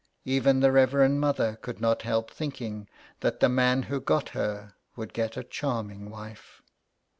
Even the Reverend Mother could not help thinking that the man who got her would get a charming wife.